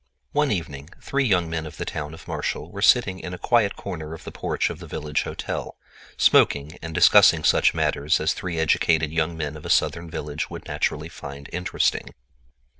One evening three young men of the town of Marshall were sitting in a quiet corner of the porch of the village hotel, smoking and discussing such matters as three educated young men of a Southern village would naturally find interesting.